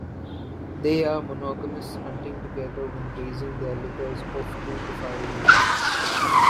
They are monogamous, hunting together when raising their litters of two to five young.